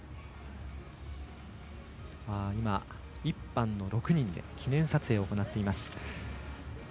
１班の６人で記念撮影を行っています。